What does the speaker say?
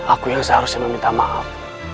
aku yang seharusnya meminta maaf